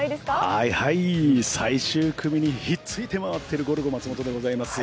はいはい、最終組にひっついて回っているゴルゴ松本でございます。